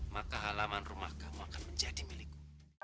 maka halaman rumah kamu akan menjadi milikku